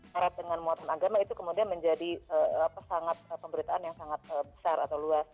syarat dengan muatan agama itu kemudian menjadi pemberitaan yang sangat besar atau luas